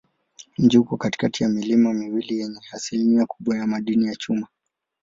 Mji uko katikati ya milima miwili yenye asilimia kubwa ya madini ya chuma.